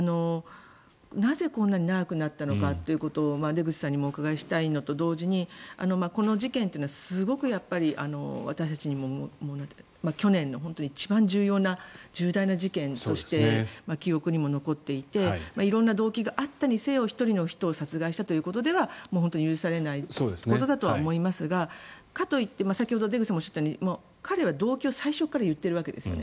なぜ、こんなに長くなったのかということを出口さんにもお伺いしたいのと同時にこの事件というのはすごく私たちにも去年の一番重要な重大な事件として記憶にも残っていて色んな動機があったにせよ１人の人を殺害したということでは本当に許されないことだと思いますがかといって、先ほど出口さんもおっしゃったように彼は最初から言っているわけですよね。